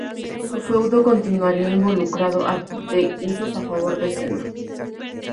Su feudo continuaría involucrando a The Usos a favor de Cena.